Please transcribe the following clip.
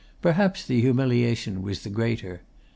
Perhaps the humiliation was the greater.